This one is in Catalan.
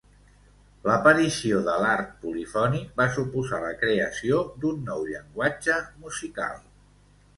L'aparició de l'art polifònic va suposar la creació d'un nou llenguatge musical.